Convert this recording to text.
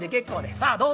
さあどうぞ」。